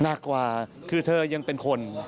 หนักกว่าคือเธอยังเป็นคน